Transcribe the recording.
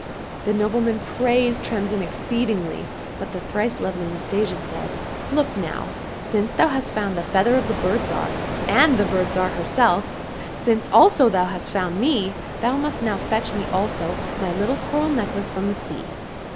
The noble man praised Tremsin exceedingly, but the thrice lovely Nastasia said, " Look now ! since thou hast found the feather of the Bird Zhar, and the Bird Zhar herself, since also thou hast found me, thou must now fetch me also my little coral necklace from the sea